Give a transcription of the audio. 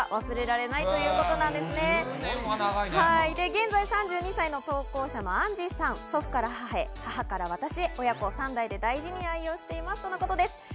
現在３２歳の投稿者のアンジーさん、祖父から母へ、母から私へ、親子３代で大事に愛用していますとのことです。